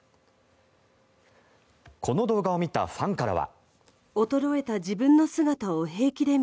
この動画を見たファンからは。